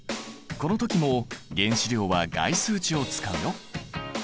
この時も原子量は概数値を使うよ。